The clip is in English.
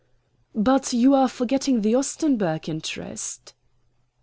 "But you are forgetting the Ostenburg interest."